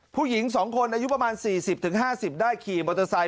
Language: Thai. ผู้หญิงสองคนอายุประมาณสี่สิบถึงห้าสิบได้ขี่มอเตอร์ไซด์